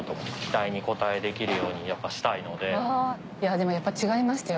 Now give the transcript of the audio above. でもやっぱ違いましたよ